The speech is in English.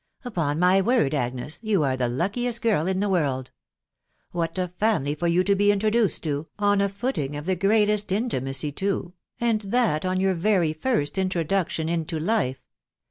... Upon my word, Agnes, you are the luckiest girl in the world ! What a family for you to be introduced to, on a footing of the greatest intimacy too, and that on your very first introduction into life